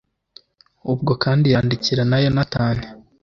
ubwo kandi yandikira na yonatani